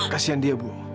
kasian dia bu